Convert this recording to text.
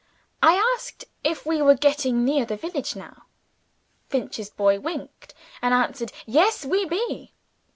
I asked if we were getting near the village now. Finch's boy winked, and answered, "Yes, we be."